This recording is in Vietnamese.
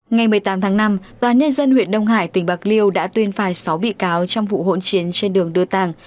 ngày một mươi tám tháng năm tòa nhân dân huyện đông hải tỉnh bạc liêu đã tuyên phạt sáu bị cáo trong vụ hỗn chiến trên đường đưa tàng